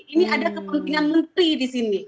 ini ada kepentingan menteri di sini